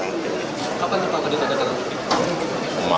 kapan bapak presiden akan ambil